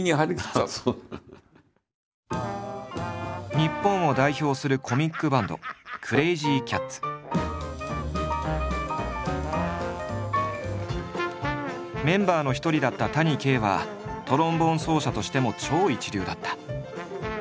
日本を代表するコミックバンドメンバーの一人だった谷啓はトロンボーン奏者としても超一流だった。